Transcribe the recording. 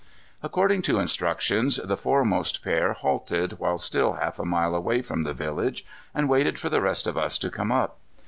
According to instructions, the foremost pair halted while still half a mile away from the village and waited for the rest of us to come up.